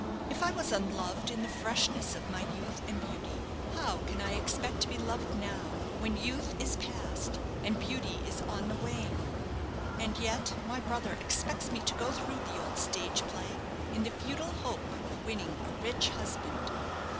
If I was unloved in the freshness of my youth and beauty, how can I expect to be loved now, when youth is past and beauty is on the wane? And yet my brother expects me to go through the old stage play, in the futile hope of winning a rich husband!"